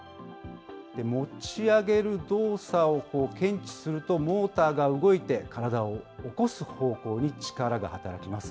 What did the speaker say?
持ち上げる動作を検知すると、モーターが動いて、体を起こす方向に力が働きます。